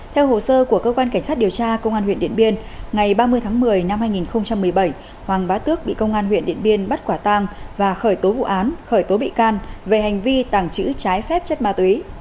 theo hồ sơ của cơ quan cảnh sát điều tra công an huyện điện biên ngày ba mươi tháng một mươi năm hai nghìn một mươi bảy hoàng bá tước bị công an huyện điện biên bắt quả tang và khởi tố vụ án khởi tố bị can về hành vi tàng trữ trái phép chất ma túy